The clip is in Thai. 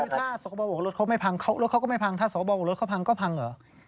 คือถ้าสคบบอกว่ารถเขาไม่พังรถเขาก็ไม่พังถ้าสวบกับรถเขาพังก็พังเหรอ